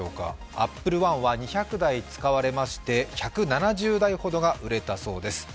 Ａｐｐｌｅ−１は２００台作られまして１７０台ほどが売られたそうです。